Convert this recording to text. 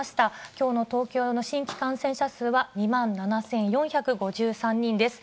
きょうの東京の新規感染者数は２万７４５３人です。